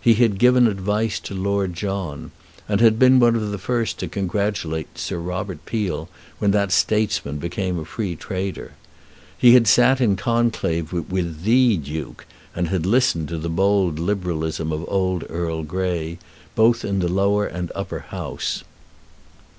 He had given advice to Lord John, and had been one of the first to congratulate Sir Robert Peel when that statesman became a free trader. He had sat in conclave with THE Duke, and had listened to the bold Liberalism of old Earl Grey, both in the Lower and the Upper House.